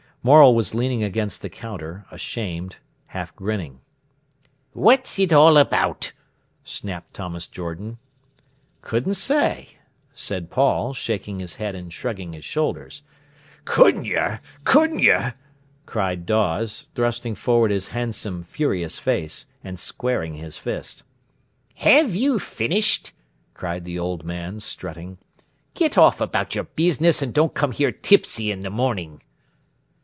Morel was leaning against the counter, ashamed, half grinning. "What's it all about?" snapped Thomas Jordan. "Couldn't say," said Paul, shaking his head and shrugging his shoulders. "Couldn't yer, couldn't yer!" cried Dawes, thrusting forward his handsome, furious face, and squaring his fist. "Have you finished?" cried the old man, strutting. "Get off about your business, and don't come here tipsy in the morning."